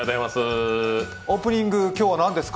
オープニング、今日は何ですか？